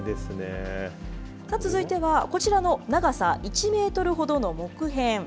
続いては、こちらの長さ１メートルほどの木片。